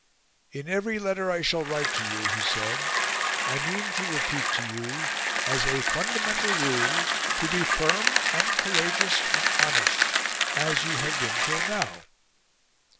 "In every letter I shall write to you," he said, "I mean to repeat to you, as a FUNDAMENTAL RULE, TO BE FIRM, AND COURAGEOUS, AND HONEST, AS YOU HAVE BEEN TILL NOW."